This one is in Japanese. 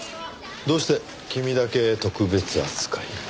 どうして君だけ特別扱いなの？